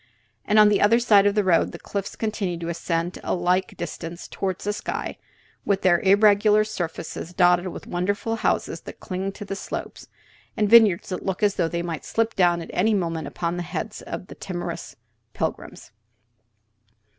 And on the other side of the road the cliffs continue to ascend a like distance toward the sky, their irregular surfaces dotted with wonderful houses that cling to the slopes, and vineyards that look as though they might slip down at any moment upon the heads of timorous pilgrims.